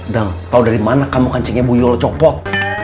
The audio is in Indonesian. dang tau dari mana kamu kancingnya bu yola copot